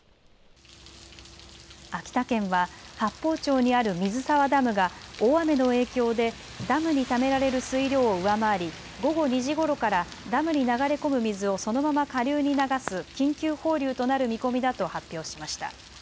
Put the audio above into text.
秋田県は八峰町にある水沢ダムが大雨の影響でダムにためられる水量を上回り、午後２時ごろからダムに流れ込む水をそのまま下流に流す緊急放流となる見込みだと発表しました。